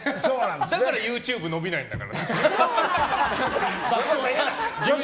だからＹｏｕＴｕｂｅ伸びないんだから。